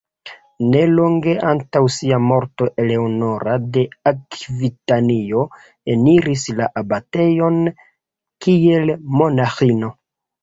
Ne longe antaŭ sia morto Eleonora de Akvitanio eniris la abatejon kiel monaĥino.